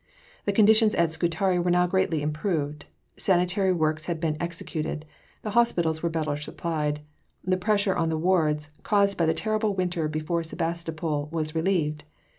The conditions at Scutari were now greatly improved. Sanitary works had been executed. The hospitals were better supplied. The pressure in the wards, caused by the terrible winter before Sebastopol, was relieved.